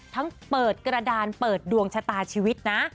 ทั้งเปิดกระดานเปิดดวงชะตาชีวิตนะ